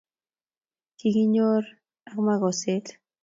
Kikinyorto ak makoset